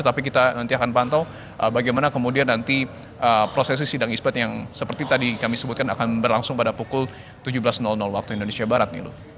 tapi kita nanti akan pantau bagaimana kemudian nanti prosesi sidang isbat yang seperti tadi kami sebutkan akan berlangsung pada pukul tujuh belas waktu indonesia barat